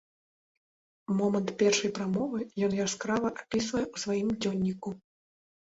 Момант першай прамовы ён яскрава апісвае ў сваім дзённіку.